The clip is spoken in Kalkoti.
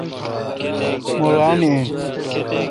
مہ ران این۔